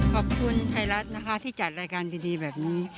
ขอบคุณไทยรัฐนะคะที่จัดรายการดีแบบนี้